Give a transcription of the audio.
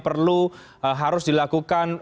perlu harus dilakukan